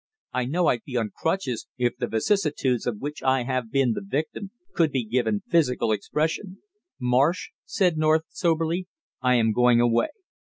I know I'd be on crutches if the vicissitudes of which I have been the victim could be given physical expression." "Marsh," said North soberly, "I am going away."